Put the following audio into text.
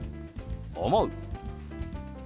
「思う」。